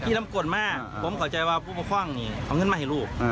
ที่เล่นกดมากผมขอใจว่าครูมาขว้างทำงานขอเข้ามาเห็นลูก